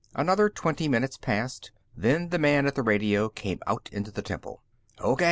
Another twenty minutes passed. Then the man at the radio came out into the temple. "O. K.!"